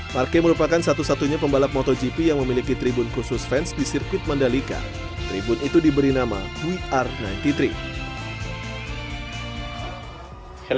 marque merupakan satu satunya pembalap motogp yang memiliki tribun khusus fans di sirkuit mandalika tribun itu diberi nama wer sembilan puluh tiga